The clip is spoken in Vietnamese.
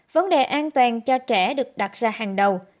vấn đề an toàn cho trẻ được đặt ra hàng đầu